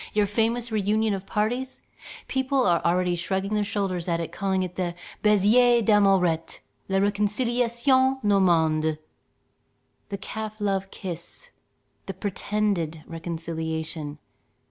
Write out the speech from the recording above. Your famous reunion of parties, people are already shrugging their shoulders at and calling it the "baiser d'Amourette, la réconciliation normande": the calf love kiss, the pretended reconciliation.